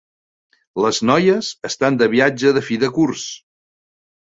Les noies estan de viatge de fi de curs